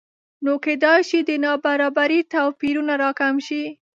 نو کېدای شي د نابرابرۍ توپیرونه راکم شي